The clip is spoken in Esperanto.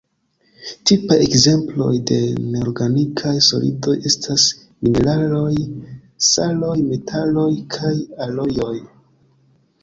Tipaj ekzemploj de neorganikaj solidoj estas mineraloj, saloj, metaloj kaj alojoj.